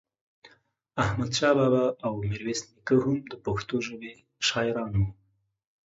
احمد شاه بابا او ميرويس نيکه هم دا پښتو ژبې شاعران وو